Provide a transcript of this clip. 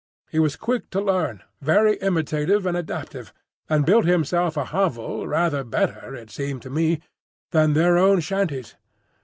He was quick to learn, very imitative and adaptive, and built himself a hovel rather better, it seemed to me, than their own shanties.